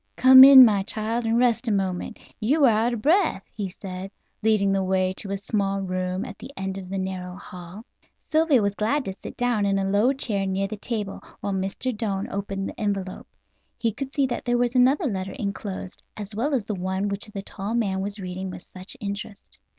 "Come in, my child, and rest a moment; you are out of breath," he said, leading the way to a small room at the end of the narrow hall. Sylvia was glad to sit down in a low chair near the table, while Mr. Doane opened the envelope. She could see that there was another letter enclosed, as well as the one which the tall man was reading with such interest.